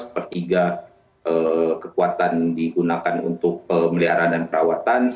satu per tiga kekuatan digunakan untuk pemeliharaan dan perawatan